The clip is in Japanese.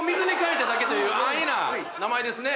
安易な名前ですね。